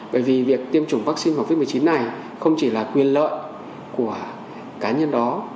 bởi vì việc tiêm chủng vaccine covid một mươi chín này không chỉ là quyền lợi của cá nhân đó